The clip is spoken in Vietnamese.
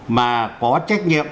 mà có trách nhiệm